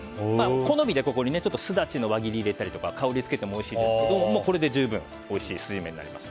好みで、ここにスダチの輪切りを入れたり香りをつけてもおいしいですけどこれで十分おいしい酢じめになります。